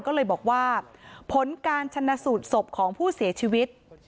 ก็เลยบอกว่าผลการชนะสูตรศพของผู้เสียชีวิต